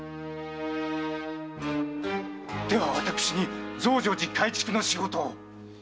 では私に増上寺改築の仕事を？